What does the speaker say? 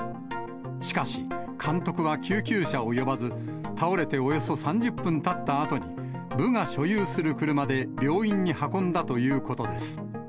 しかし、監督は救急車を呼ばず、倒れておよそ３０分たったあとに、部が所有する車で、病院に運んだということです。